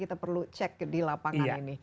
kita perlu cek di lapangan ini